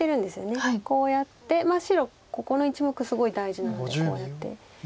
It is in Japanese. こうやって白ここの１目すごい大事なのでこうやって。